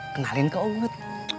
kenalin ke umut